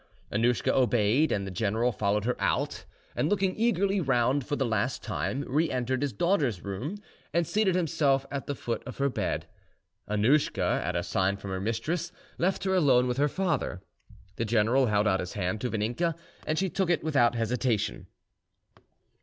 Annouschka obeyed, and the general followed her out, and, looking eagerly round for the last time, re entered his daughter's room, and seated himself on the foot of her bed. Annouschka, at a sign from her mistress, left her alone with her father. The general held out his hand to Vaninka, and she took it without hesitation.